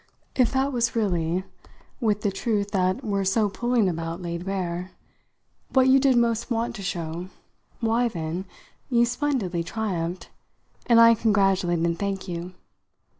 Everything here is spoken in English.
If that was really, with the truth that we're so pulling about laid bare, what you did most want to show, why, then, you've splendidly triumphed, and I congratulate and thank you.